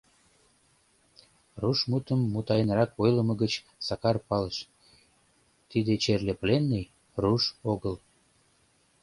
Руш мутым мутаенрак ойлымо гыч Сакар палыш: тиде черле пленный — руш огыл.